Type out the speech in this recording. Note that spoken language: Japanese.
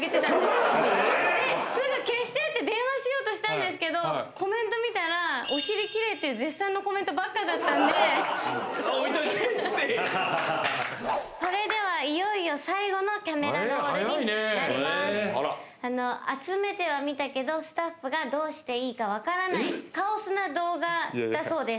すぐ消してって電話しようとしたんですけどコメント見たら「お尻キレイ」っていう絶賛のコメントばっかだったんでおいといてそれではいよいよ最後のキャメラロールになります早いね集めてはみたけどスタッフがどうしていいかわからないカオスな動画だそうです